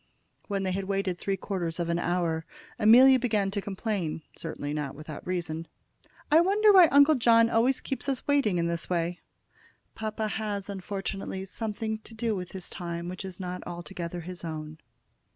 When they had waited three quarters of an hour Amelia began to complain, certainly not without reason. "I wonder why Uncle John always keeps us waiting in this way?" "Papa has, unfortunately, something to do with his time, which is not altogether his own."